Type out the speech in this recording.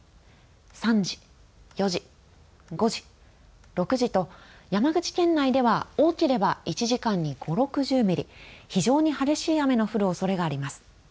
３時、４時、５時、６時と山口県内では多ければ１時間に５０、６０ミリ非常に激しい雨の降るおそれがあります。